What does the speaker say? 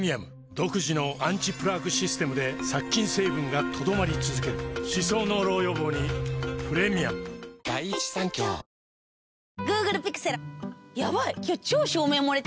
独自のアンチプラークシステムで殺菌成分が留まり続ける歯槽膿漏予防にプレミアム宝物のようなひととき。